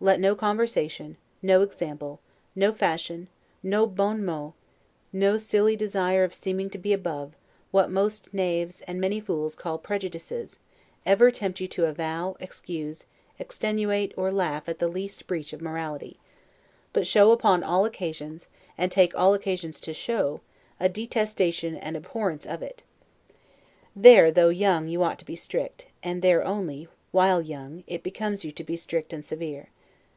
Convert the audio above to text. Let no conversation, no example, no fashion, no 'bon mot', no silly desire of seeming to be above, what most knaves, and many fools, call prejudices, ever tempt you to avow, excuse, extenuate, or laugh at the least breach of morality; but show upon all occasions, and take all occasions to show, a detestation and abhorrence of it. There, though young, you ought to be strict; and there only, while young, it becomes you to be strict and severe.